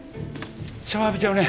シャワー浴びちゃうね。